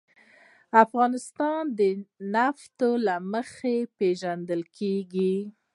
افغانستان د نفت له مخې پېژندل کېږي.